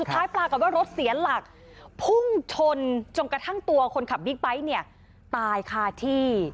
ท้ายปลากับว่ารถเสียหลักพุ่งชนจนกระทั่งตัวคนขับบิ๊กไบท์เนี่ยตายค่ะที่